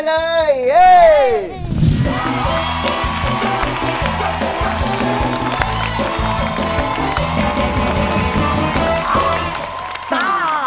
ซ้า